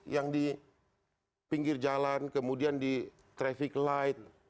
yang di pinggir jalan kemudian di traffic light